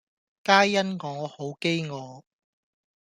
皆因我好飢餓